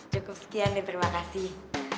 cukup sekian nih terima kasih